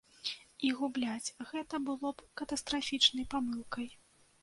І губляць гэта было б катастрафічнай памылкай.